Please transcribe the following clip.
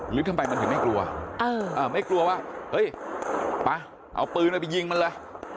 หรือทำไมมันถึงไม่กลัวไม่กลัวว่าเฮ้ยไปเอาปืนไปยิงมันเลย